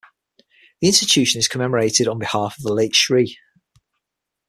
This institution is commemorated on behalf of the Late Sri.